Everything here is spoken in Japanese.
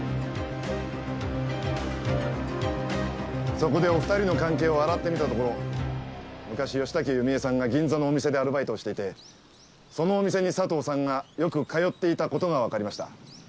そこでお二人の関係を洗ってみたところ昔吉竹弓枝さんが銀座のお店でアルバイトをしていてそのお店に佐藤さんがよく通っていた事がわかりました。